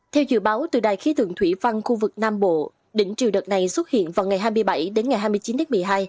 theo dự báo từ đài khí tượng thủy văn khu vực nam bộ đỉnh triều đợt này xuất hiện vào ngày hai mươi bảy đến ngày hai mươi chín tháng một mươi hai